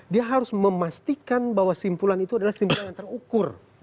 dia harus memastikan bahwa simpulan itu adalah simpulan yang terukur